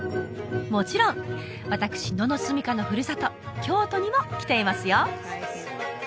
もちろん私野々すみ花のふるさと京都にも来ていますよ